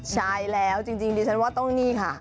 ใช่แล้วจริงดิฉันว่าต้องนี่ค่ะ